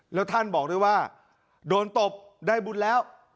แล้วท่านบอกด้วยว่าโดนตบได้บุญแล้ว